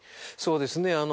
そうですね